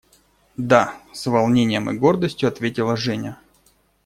– Да! – с волнением и гордостью ответила Женя.